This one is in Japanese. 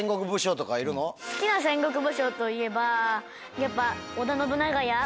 好きな戦国武将といえばやっぱ。